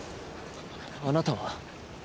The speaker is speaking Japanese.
あなたは？